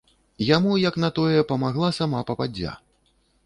Яму, як на тое, памагла сама пападдзя.